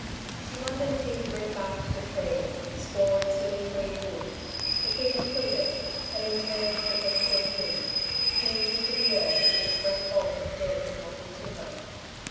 She wondered if he had ring barked the tree score its living green wood if he had killed it, and in turn it had killed him, pinning him to the earth with its great bulk of dead and rotting timber.